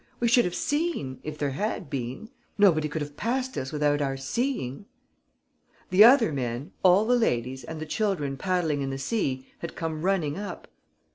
We should have seen, if there had been. Nobody could have passed us without our seeing...." The other men, all the ladies and the children paddling in the sea had come running up.